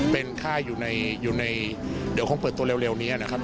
เป็นค่าอยู่ในเดี๋ยวคงเปิดตัวเร็วนี้นะครับ